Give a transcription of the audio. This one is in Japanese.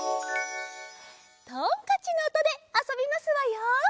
とんかちのおとであそびますわよ。